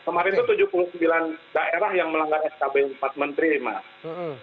kemarin itu tujuh puluh sembilan daerah yang melanggar skb empat menteri mas